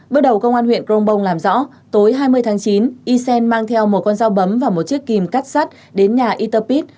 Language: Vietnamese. bước đầu công an huyện crong bong làm rõ tối hai mươi tháng chín ysen mang theo một con dao bấm và một chiếc kìm cắt sắt đến nhà yter pit